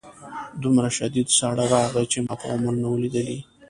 دومره شدید ساړه راغی چې ما په عمر نه و لیدلی